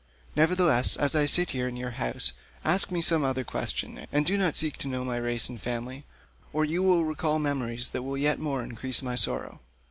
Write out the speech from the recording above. Nevertheless, as I sit here in your house, ask me some other question and do not seek to know my race and family, or you will recall memories that will yet more increase my sorrow.